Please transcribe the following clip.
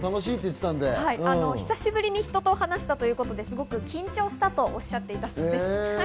久しぶりに人と話したということで緊張したとおっしゃっていたそうです。